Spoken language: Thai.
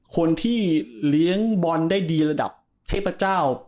คนที่เลี้ยงบอลได้ดีระดับเทพเจ้า